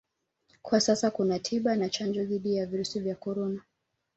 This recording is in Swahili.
Kwa sasa kuna tiba na chanjo dhidi ya virusi vya Corona